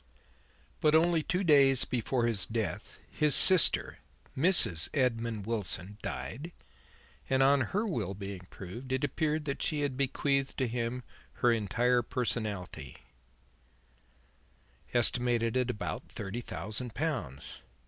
But only two days before his death, his sister, Mrs. Edmund Wilson, died; and on her will being proved it appeared that she had bequeathed to him her entire personalty, estimated at about thirty thousand pounds."